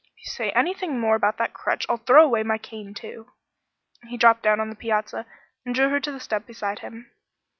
"If you say anything more about that crutch, I'll throw away my cane too." He dropped down on the piazza and drew her to the step beside him.